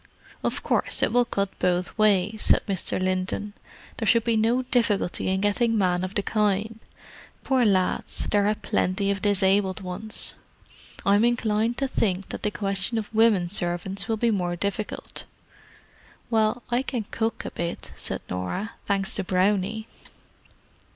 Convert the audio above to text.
"Of course, it will cut both ways," Mr. Linton said. "There should be no difficulty in getting men of the kind—poor lads, there are plenty of disabled ones. I'm inclined to think that the question of women servants will be more difficult." "Well, I can cook a bit," said Norah—"thanks to Brownie."